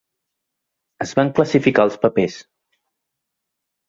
Es van classificar els papers.